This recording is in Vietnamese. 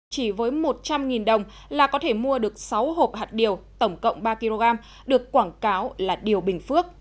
chỉ với một trăm linh đồng là có thể mua được sáu hộp hạt điều tổng cộng ba kg được quảng cáo là điều bình phước